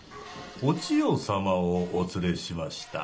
お千代様をお連れしました。